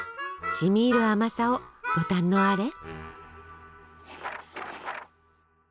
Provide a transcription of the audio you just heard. しみいる甘さをご堪能あれ。